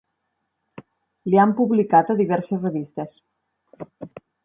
Li han publicat a diverses revistes.